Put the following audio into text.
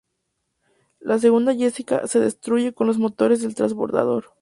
La segunda Jessica se destruye con los motores del transbordador.